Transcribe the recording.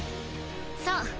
そう。